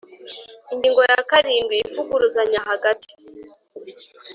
Ingingo ya karindwi Ivuguruzanya hagati